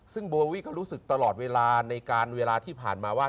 ซึ่งโบวี่ก็รู้สึกตลอดเวลาในการเวลาที่ผ่านมาว่า